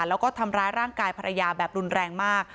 แล้วก็ทำร้ายร่างกายภรรยาแบบรุนแรงมาก